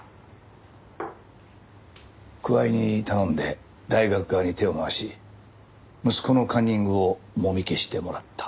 桑井に頼んで大学側に手を回し息子のカンニングをもみ消してもらった。